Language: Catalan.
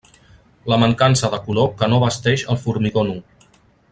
La mancança de color que no basteix el formigó nu.